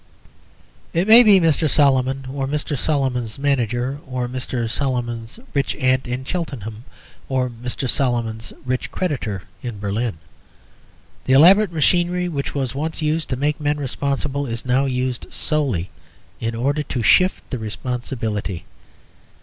It may be Mr. Solomon or Mr. Solomon's manager, or Mr. Solomon's rich aunt in Cheltenham, or Mr. Soloman's rich creditor in Berlin. The elaborate machinery which was once used to make men responsible is now used solely in order to shift the responsibility.